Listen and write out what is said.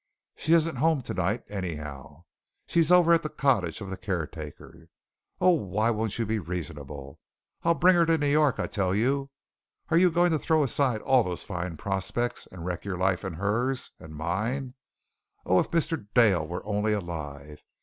She isn't home tonight, anyhow. She's over at the cottage of the caretaker. Oh, why won't you be reasonable? I'll bring her to New York, I tell you. Are you going to throw aside all those fine prospects and wreck your life and hers and mine? Oh, if Mr. Dale were only alive!